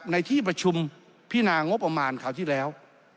ในที่ประชุมพินางบประมาณคราวที่แล้ว